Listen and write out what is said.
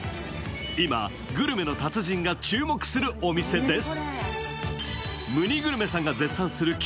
今、グルメの達人が注目するお店です。